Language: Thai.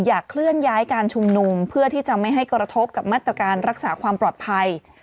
เคลื่อนย้ายการชุมนุมเพื่อที่จะไม่ให้กระทบกับมาตรการรักษาความปลอดภัย